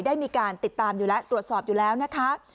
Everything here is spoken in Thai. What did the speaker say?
ได้มีการติดตามอยู่แล้วตรวจสอบอยู่แล้วนะคะ